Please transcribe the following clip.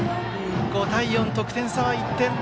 ５対４、得点差は１点。